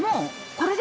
これで？